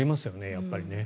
やっぱりね。